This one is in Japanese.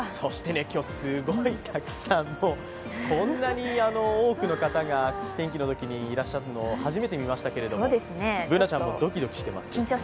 今日、すごいたくさんの、こんなに多くの方が天気のときにいらっしゃるのは初めて見ましたけれども、Ｂｏｏｎａちゃんもドキドキしています